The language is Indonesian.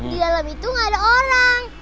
di dalam itu gak ada orang